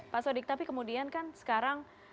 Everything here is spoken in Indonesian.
pak sodik tapi kemudian kan sekarang